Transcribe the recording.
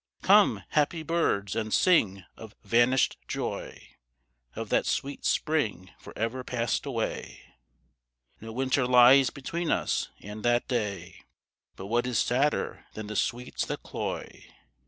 Come, happy birds, and sing of vanished joy, Of that sweet Spring for ever passed away; No winter lies between us and that day. (But what is sadder than the sweets that cloy.)